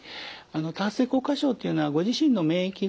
あの多発性硬化症っていうのはご自身の免疫がですね